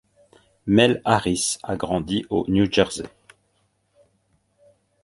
Mel Harris a grandi au New Jersey.